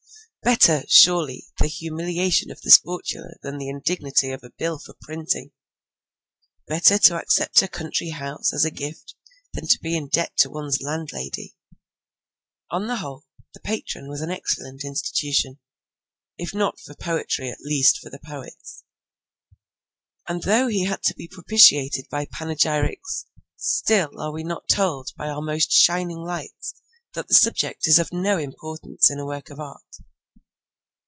Better, surely, the humiliation of the sportula than the indignity of a bill for printing! Better to accept a country house as a gift than to be in debt to one's landlady! On the whole, the patron was an excellent institution, if not for poetry at least for the poets; and though he had to be propitiated by panegyrics, still are we not told by our most shining lights that the subject is of no importance in a work of art?